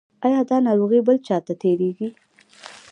ایا دا ناروغي بل چا ته تیریږي؟